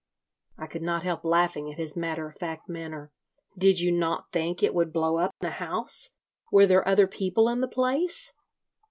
I could not help laughing at his matter of fact manner. "Did you not think it would blow up the house? Were there other people in the place?"